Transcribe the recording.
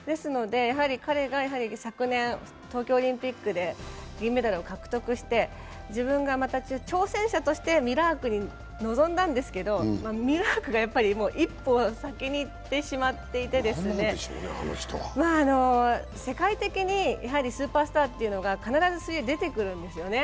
彼が昨年、東京オリンピックで銀メダルを獲得して自分がまた挑戦者としてミラークに臨んだんですけど、ミラークが、やっぱり一歩先にいってしまっていて、世界的にスーパースターというのが必ず、水泳では出てくるんですよね。